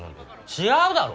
違うだろ？